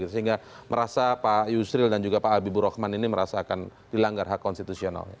sehingga merasa pak yusril dan juga pak habibur rahman ini merasakan dilanggar hak konstitusional